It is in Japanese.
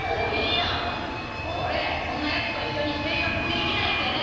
オレこんなヤツといっしょに生活できないから。